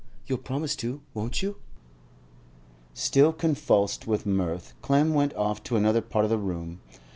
You'll promise to, won't you?' Still convulsed with mirth, Clem went off to another part of the room.